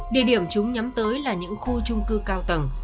địa điểm chúng nhắm tới là những khu trung cư cao tầng